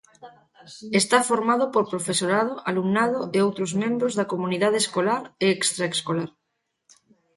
Está formado por profesorado, alumnado e outros membros da comunidade escolar e extraescolar.